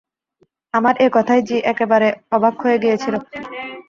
আমার এ-কথায় জি একেবারে অবাক হয়ে গিয়েছিল।